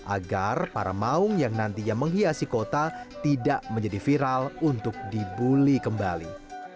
agar para maung yang nantinya menghiasi kota tidak menjadi viral untuk dibully kembali